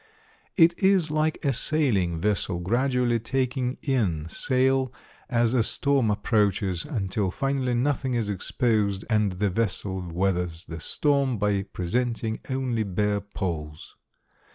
It is like a sailing vessel gradually taking in sail as a storm approaches, until finally nothing is exposed, and the vessel weathers the storm by presenting only bare poles.